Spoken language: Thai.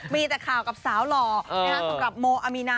มีแต่ข่าวกับสาวหล่อสำหรับโมอามีนา